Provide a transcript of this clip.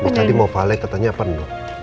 tadi mau vale katanya penuh